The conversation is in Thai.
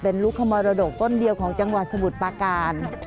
เป็นลูกขมรดกต้นเดียวของจังหวัดสมุทรปาการ